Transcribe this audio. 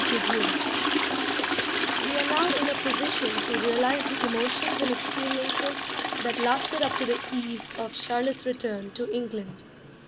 GUDULE We are now in a position to realise the emotions and experiences that lasted up to the eve of Charlotte's return to England.